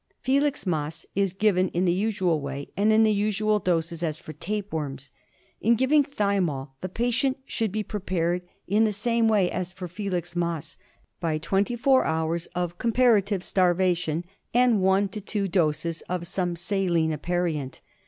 Filix mas is given in the usual way and in the usual doses as for tape worms. In giving thymol the patient should be prepared in the same way as for filix mas by twenty four hours of com ^ ^^^^^^^^f^ parative starvation, and one to two ^•J^r^: doses of some saline aperient.